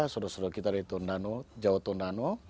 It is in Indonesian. saudara saudara kita dari tondano jawa tondano